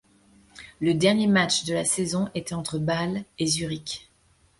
Le dernier match de la saison était entre Bâle et Zurich.